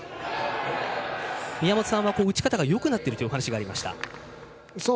宮本さんは打ち方がよくなってるというお話でした。